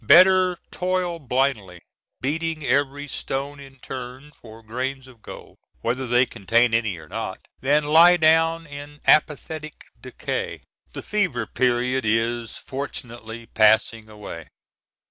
Better toil blindly, beating every stone in turn for grains of gold, whether they contain any or not, than lie down in apathetic decay. The fever period is fortunately passing away.